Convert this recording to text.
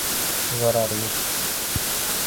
— Зарар юҡ.